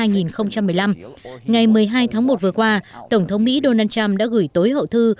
hai nghìn một mươi năm ngày một mươi hai tháng một vừa qua tổng thống mỹ donald trump đã gửi tối hậu thư